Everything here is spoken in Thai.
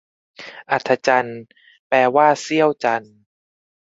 อัฒจันทร์ แปลว่าเสี้ยวจันทร์